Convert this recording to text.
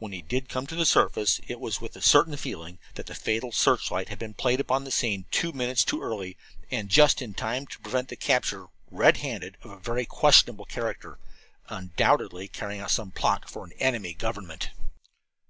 When he did come to the surface it was with the certain feeling that the fatal searchlight had been played upon the scene two minutes too early, and just in time to prevent the capture red handed of a very questionable character, undoubtedly carrying out some plot for an enemy government.